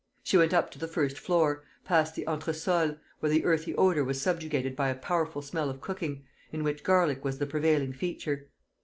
She went up to the first floor, past the entresol, where the earthy odour was subjugated by a powerful smell of cooking, in which garlic was the prevailing feature.